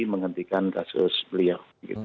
menghentikan kasus beliau